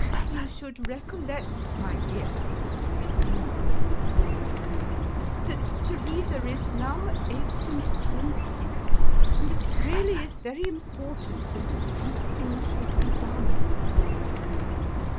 " You should recollect, my dear," resumed Mrs. Malderton, " that Teresa is now eight and twenty ; and that it really is very important that something should be done."